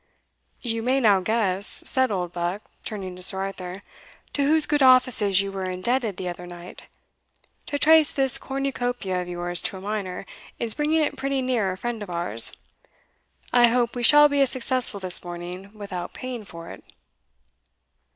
"You may now guess," said Oldbuck, turning to Sir Arthur, "to whose good offices you were indebted the other night. To trace this cornucopia of yours to a miner, is bringing it pretty near a friend of ours I hope we shall be as successful this morning, without paying for it."